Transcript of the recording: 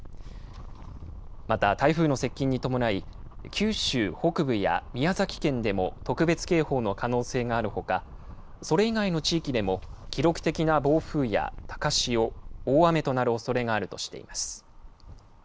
また、台風の接近に伴い、九州北部や宮崎県でも特別警報の可能性があるほか、それ以外の地域でも記録的な暴風や高潮、大雨となるおそれがあるとしています。